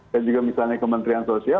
dan juga misalnya kementerian sosial